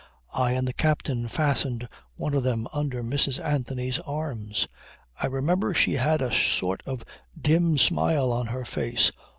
I and the captain fastened one of them under Mrs. Anthony's arms: I remember she had a sort of dim smile on her face."